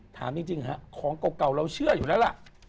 ถามจริงฮะของเก่าเราเชื่ออยู่แล้วล่ะ